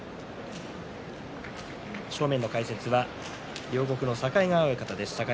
正面の解説は両国の境川親方です。